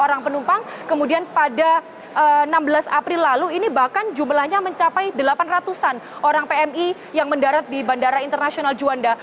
orang penumpang kemudian pada enam belas april lalu ini bahkan jumlahnya mencapai delapan ratus an orang pmi yang mendarat di bandara internasional juanda